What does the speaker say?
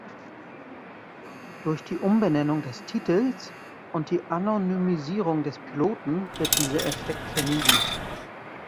Durch die Umbenennung des Titels und die Anonymisierung des Piloten wird dieser Effekt vermieden.